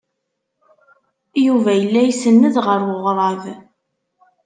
Yuba yella isenned ɣer weɣrab.